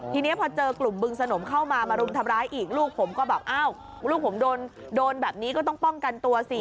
ทีนี้พอเจอกลุ่มบึงสนมเข้ามามารุมทำร้ายอีกลูกผมก็แบบอ้าวลูกผมโดนแบบนี้ก็ต้องป้องกันตัวสิ